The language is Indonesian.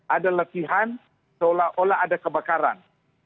ada latihan seolah olah ada kebakaran